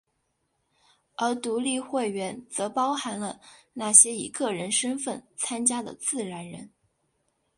而独立会员则包含了那些以个人身份参加的自然人。